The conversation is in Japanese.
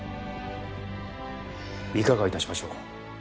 いかが致しましょう？